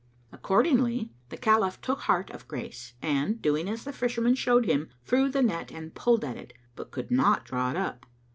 Accordingly, the Caliph took heart of grace and, doing as the fisherman showed him, threw the net and pulled at it, but could not draw it up.